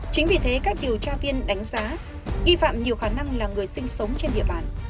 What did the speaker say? chính vì thế các điều tra viên đánh giá nghi phạm nhiều khả năng là người sinh sống trên địa bàn